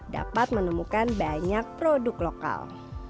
dapat menemukan banyak produk lokal